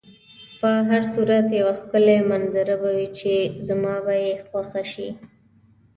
په هر صورت یوه ښکلې منظره به وي چې زما به یې خوښه شي.